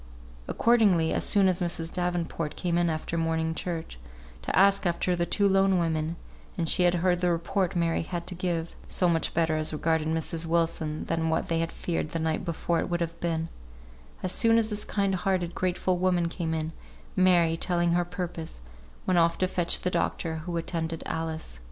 Accordingly, as soon as Mrs. Davenport came in after morning church, to ask after the two lone women, and she had heard the report Mary had to give (so much better as regarded Mrs. Wilson than what they had feared the night before it would have been) as soon as this kind hearted, grateful woman came in, Mary, telling her her purpose, went off to fetch the doctor who attended Alice.